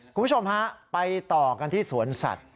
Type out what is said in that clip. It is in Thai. คุณผู้ชมฮะไปต่อกันที่สวนสัตว์